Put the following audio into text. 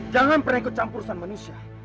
jangan pernah ikut campurkan manusia